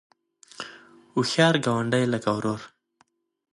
هوښیار ګاونډی لکه ورور